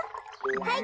はい。